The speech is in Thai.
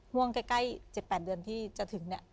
ห่วงใกล้๗๘เดือนที่จะถึงเนี่ย